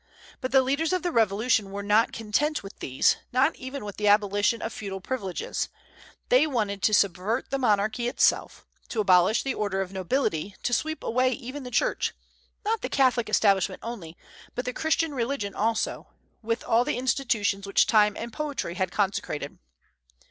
But the leaders of the revolution were not content with these, not even with the abolition of feudal privileges; they wanted to subvert the monarchy itself, to abolish the order of nobility, to sweep away even the Church, not the Catholic establishment only, but the Christian religion also, with all the institutions which time and poetry had consecrated.